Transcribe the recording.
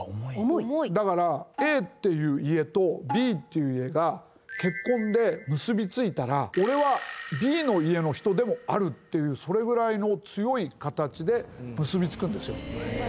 だからＡっていう家とＢっていう家が結婚で結びついたら俺はＢの家の人でもあるっていうそれぐらいの強い形で結びつくんですよ。